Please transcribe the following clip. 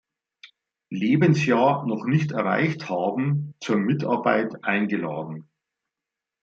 Lebensjahr noch nicht erreicht haben, zur Mitarbeit eingeladen.